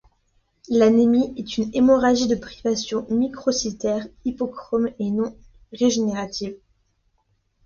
L'anémie est une hémorragie de privation, microcytaire, hypochrome et non régénérative.